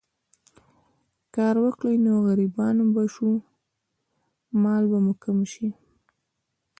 کار وکړو نو غريبان به شو، مال به مو کم شي